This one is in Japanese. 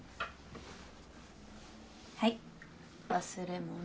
はい忘れ物。